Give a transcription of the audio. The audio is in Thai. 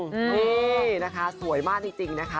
นี่นะคะสวยมากจริงนะคะ